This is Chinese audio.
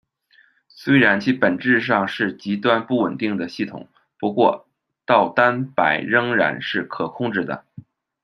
虽然其本质上是极端不稳定的系统，不过倒单摆仍然是可控制的。